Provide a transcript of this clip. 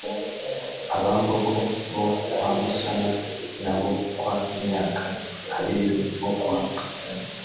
abambogo bo kwa musana n abo kwa myaka abiru bo kwa